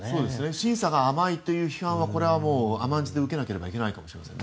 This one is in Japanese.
審査が甘いという批判は甘んじて受けなければいけないかもしれませんね。